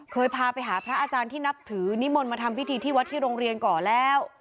พาไปหาพระอาจารย์ที่นับถือนิมนต์มาทำพิธีที่วัดที่โรงเรียนก่อนแล้ว